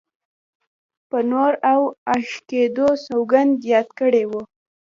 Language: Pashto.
په نور او آتشکدو سوګند یاد کړی و.